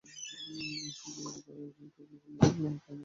তিনি একাধারে একজন কবি, ঔপন্যাসিক এবং ভ্রমণ কাহিনী রচয়িতা ছিলেন।